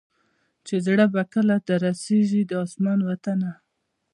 چي زړه به کله در سړیږی د اسمان وطنه